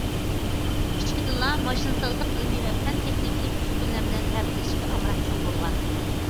كىچىكىدىنلا ماشىنىسازلىق ئىلمى ۋە پەن- تېخنىكىلىق ئۈسكۈنىلەر بىلەن ھەپىلىشىشكە ئامراق چوڭ بولغان.